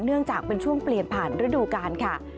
เนื่องจากเป็นช่วงเปลี่ยนผ่านฤดูกาลค่ะ